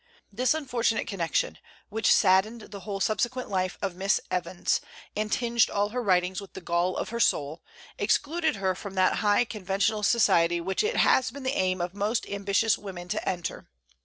This unfortunate connection, which saddened the whole subsequent life of Miss Evans, and tinged all her writings with the gall of her soul, excluded her from that high conventional society which it has been the aim of most ambitious women to enter.